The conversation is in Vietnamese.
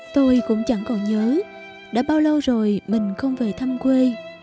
tôi cũng chẳng còn nhớ đã bao lâu rồi mình không về thăm quê